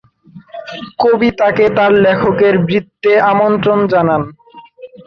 কবি তাকে তার লেখকের বৃত্তে আমন্ত্রণ জানান।